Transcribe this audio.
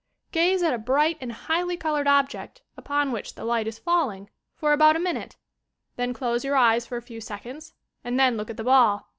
Gaze at a bright and highly coloured object upon which the light is falling for about a min ute; then close your eyes for a few seconds, and then look at the ball.